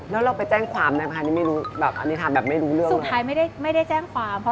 แล้วเราไปแจ้งความในคณะนี้ไม่รู้กัน